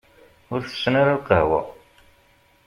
Ur tessen ara lqahwa.